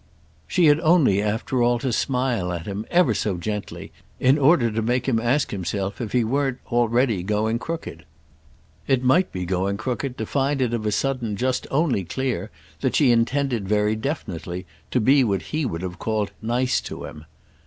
She had only after all to smile at him ever so gently in order to make him ask himself if he weren't already going crooked. It might be going crooked to find it of a sudden just only clear that she intended very definitely to be what he would have called nice to him.